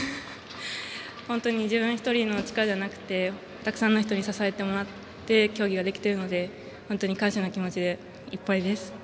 本当に自分１人の力じゃなくてたくさんの人に支えてもらって競技ができているので本当に感謝の気持ちでいっぱいです。